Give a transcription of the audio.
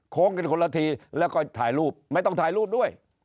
โค้งกันคนละทีแล้วก็ถ่ายรูปไม่ต้องถ่ายรูปด้วย